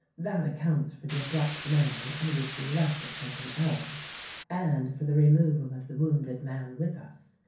That accounts for the abrupt manner in which we left at such an hour, and for the removal of the wounded man with us.